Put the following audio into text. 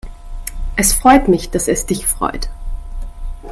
Es freut mich, dass es dich freut.